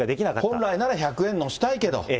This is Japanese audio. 本来なら１００円乗せたいけど。